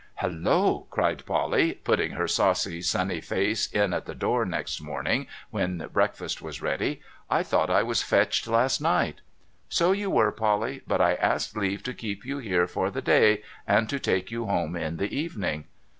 ' Hallo !' cried Polly, putting her saucy sunny face in at the door next morning when breakfast was ready :' I thought I was fetched last night ?'' So you were, Polly, but I asked leave to keep you here for the day, and to take you home in the evening.'